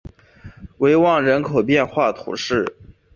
维旺人口变化图示